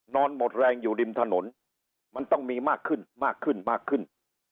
นอนหมดแรงอยู่ริมถนนมันต้องมีมากขึ้นมากขึ้นมากขึ้น